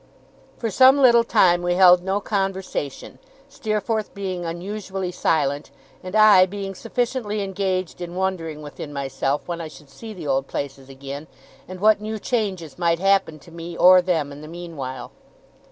For some little time we held no conversation, Steerforth being unusually silent, and I being sufficiently engaged in wondering, within myself, when I should see the old places again, and what new changes might happen to me or them in the meanwhile.